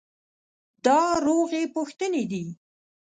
دا روغې پوښتنې دي.